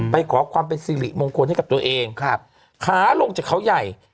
ขอความเป็นสิริมงคลให้กับตัวเองครับขาลงจากเขาใหญ่